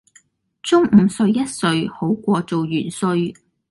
中午睡一睡好過做元帥